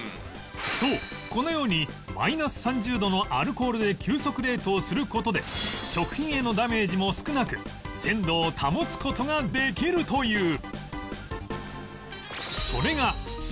そうこのようにマイナス３０度のアルコールで急速冷凍する事で食品へのダメージも少なく鮮度を保つ事ができるという